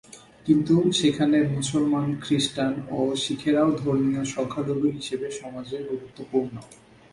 কিন্তু সেখানে মুসলমান, খ্রিষ্টান ও শিখেরাও ধর্মীয় সংখ্যালঘু হিসেবে সমাজে গুরুত্বপূর্ণ।